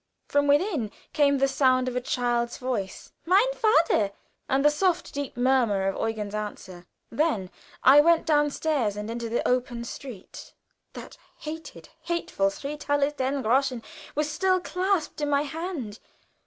From within came the sound of a child's voice, "Mein vater," and the soft, deep murmur of Eugen's answer; then I went down stairs and into the open street. That hated, hateful three thalers ten groschen were still clasped in my hand.